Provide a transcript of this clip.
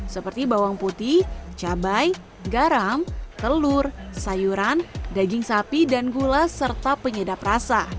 seperti bawang putih cabai garam telur sayuran daging sapi dan gula serta penyedap rasa